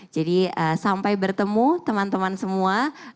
jadi sampai bertemu teman teman semua